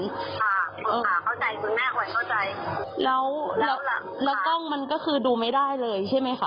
ค่ะคุณค่ะเข้าใจคุณแม่คอยเข้าใจแล้วแล้วกล้องมันก็คือดูไม่ได้เลยใช่ไหมคะ